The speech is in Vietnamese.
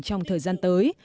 trong thời gian tới